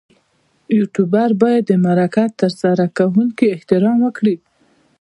یوټوبر باید د مرکه ترسره کوونکي احترام وکړي.